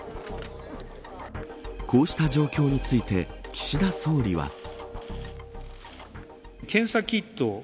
こうした状況について岸田総理は。